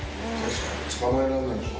捕まえられないでしょ。